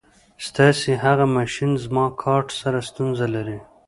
ستاسې هغه ماشین زما کارټ سره ستونزه لري.